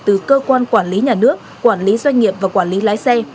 từ cơ quan quản lý nhà nước quản lý doanh nghiệp và quản lý lái xe